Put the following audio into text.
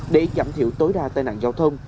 để giảm thiểu tối đa tai nạn giao thông